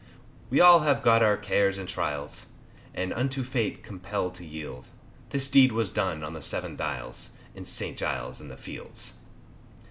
We all have got our cares and trials, And unto fate compelled to yield, This deed was done on the Seven Dials. In St. Giles's in the fields.